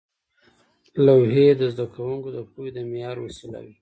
لوحې د زده کوونکو د پوهې د معیار وسیله وې.